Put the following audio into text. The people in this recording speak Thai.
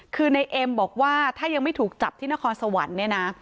คือในเอ็มบอกว่าถ้ายังไม่ถูกจับที่นครสวรรค์เนี่ยนะ